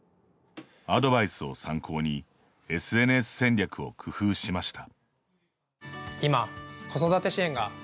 アドバイスを参考にＳＮＳ戦略を工夫しました。